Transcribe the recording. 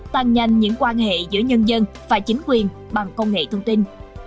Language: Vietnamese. tăng nhanh những quan hệ giữa nhân dân và chính quyền bằng công nghệ thông tin